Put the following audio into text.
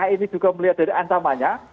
ini juga melihat dari ancamannya